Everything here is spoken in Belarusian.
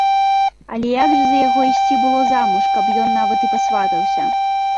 Але як жа за яго ісці было замуж, каб ён нават і пасватаўся?